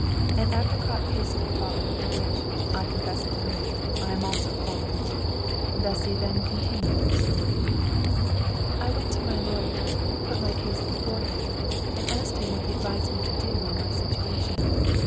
An apricot pasty followed, of which I confess it freely I am also fond. Bessy then continued her story: "I went to my lawyer, put my case before him, and asked him what he advised me to do in my situation.